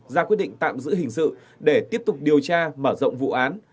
ra quyết định tạm giữ hình sự để tiếp tục điều tra mở rộng vụ án